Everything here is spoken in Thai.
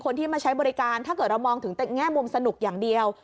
คนที่มาใช้บริการถ้าเกิดเรามองถึงแง่มุมสนุกอย่างเดียว